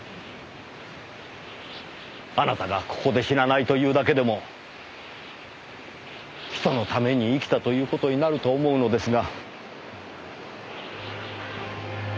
あなたがここで死なないというだけでも人のために生きたという事になると思うのですが。